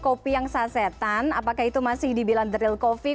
kopi yang sasetan apakah itu masih dibilang the real covid